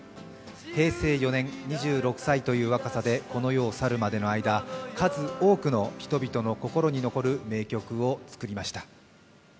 平成４年、２６歳という若さでこの世を去るまで、数多くの人々の心に残る名曲を作りました。